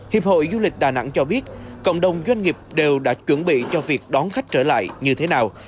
hiệp hội du lịch đà nẵng cho biết cộng đồng doanh nghiệp đều đã chuẩn bị cho việc đón khách trở lại như thế nào